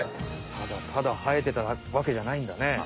ただただはえてたわけじゃないんだね。